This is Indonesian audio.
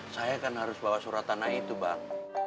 saya kan harus bawa surat tanah itu bang